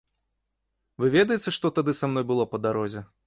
Вы ведаеце, што тады са мной было па дарозе?